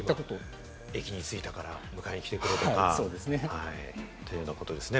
駅に着いたから迎えに来てくれとかということですね。